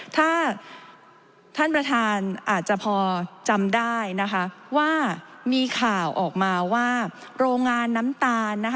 ถ้าท่านประธานอาจจะพอจำได้ว่ามีข่าวออกมาว่าโรงงานน้ำตาล